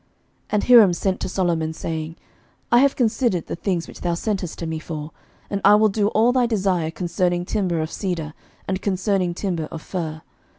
11:005:008 And Hiram sent to Solomon, saying, I have considered the things which thou sentest to me for: and I will do all thy desire concerning timber of cedar, and concerning timber of fir.